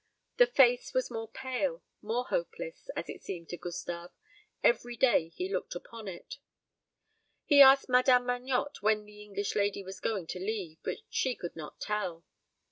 The face was more pale, more hopeless, as it seemed to Gustave, every day he looked upon it. He asked Madame Magnotte when the English lady was going to leave, but she could not tell.